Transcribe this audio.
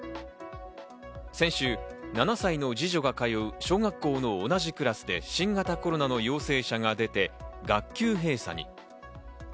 先週、７歳の二女が通う小学校の同じクラスで新型コロナの陽性者が出て学級閉鎖に。